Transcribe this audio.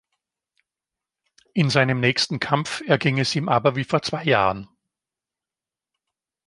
In seinem nächsten Kampf erging es ihm aber wie vor zwei Jahren.